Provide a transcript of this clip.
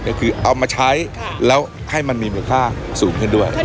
ก็คือเอามาใช้แล้วให้มันมีมูลค่าสูงขึ้นด้วย